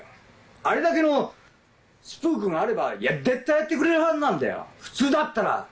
あれだけのスクープがあれば、絶対やってくれるはずなんだよ、普通だったら。